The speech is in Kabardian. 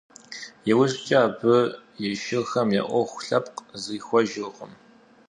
Иужькӏэ абы и шырхэм я ӏуэху лъэпкъ зрихуэжыркъым.